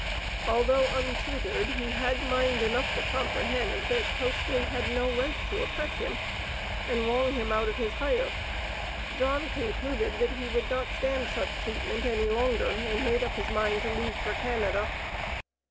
Although untutored, he had mind enough to comprehend that Postly had no right to oppress him, and wrong him out of his hire. John concluded that he would not stand such treatment any longer, and made up his mind to leave for Canada.